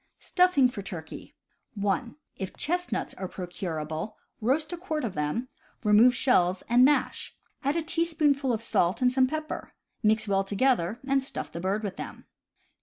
Stuffing for Turkey. — (1) If chestnuts are procurable, roast a quart of them, remove shells, and mash. Add a teaspoonful of salt, and some pepper. Mix well together, and stuff the bird with them.